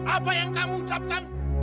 apa yang kamu ucapkan